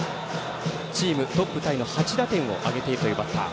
チームトップタイの８打点を挙げているというバッター。